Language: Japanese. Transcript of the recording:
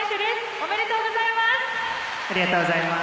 ありがとうございます。